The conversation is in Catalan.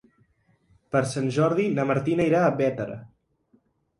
Per Sant Jordi na Martina irà a Bétera.